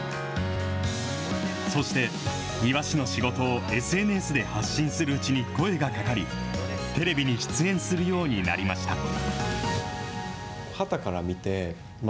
そして、庭師の仕事をＳＮＳで発信するうちに声がかかり、テレビに出演するようになりました。